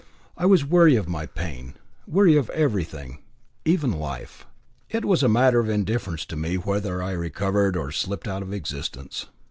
I was weary of my pain, weary of everything, even of life. It was a matter of indifference to me whether I recovered or slipped out of existence.